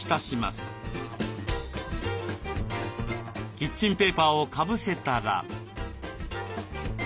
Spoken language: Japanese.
キッチンペーパーをかぶせたら。